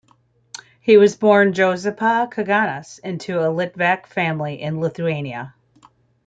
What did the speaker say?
He was born Juozapas Kaganas into a Litvak family in Lithuania.